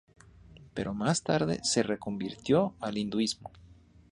Pero más tarde se reconvirtió al Hinduismo.